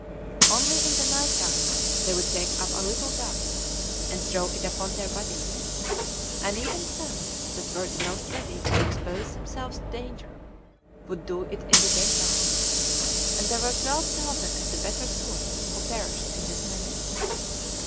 Only in the night time they would take up a little dust, and throw it upon their bodies; and even some that were the most ready to expose themselves to danger would do it in the day time: and there were twelve thousand of the better sort who perished in this manner.